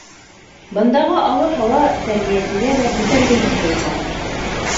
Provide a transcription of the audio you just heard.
Бындағы ауыр һауа тәрбиәсегә лә күтәргеһеҙ тойолғандыр: